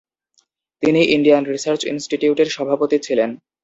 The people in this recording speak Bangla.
তিনি ইন্ডিয়ান রিসার্চ ইনস্টিটিউটের সভাপতি ছিলেন।